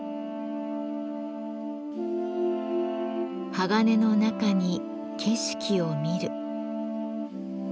鋼の中に景色を見る。